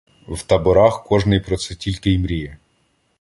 В таборах кожний про це тільки й мріє.